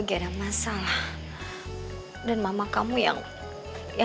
bahaya nih anak emang kelakuannya